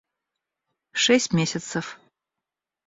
Шесть месяцев